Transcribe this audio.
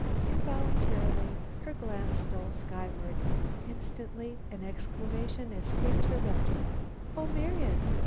Involuntarily, her glance stole skyward. Instantly an exclamation escaped her lips: "Oh, Marian!